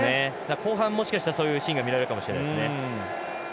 後半、もしかしたらそういうシーンが見られるかもしれないですね。